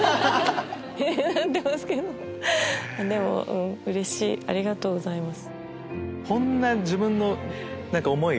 でもうれしいありがとうございます。